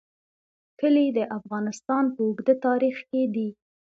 کلي د افغانستان په اوږده تاریخ کې دي.